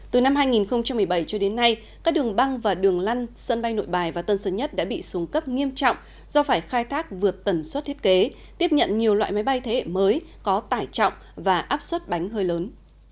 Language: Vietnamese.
từ năm hai nghìn một mươi bảy cho đến nay các đường băng và đường lăn sân bay nội bài và tân sơn nhất đã bị xuống cấp nghiêm trọng do phải khai thác vượt tần suất thiết kế tiếp nhận nhiều loại máy bay thế hệ mới có tải trọng và áp suất bánh hơi lớn